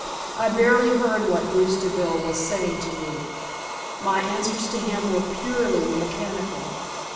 I barely heard what Bruce Deville was saying to me; my answers to him were purely mechanical.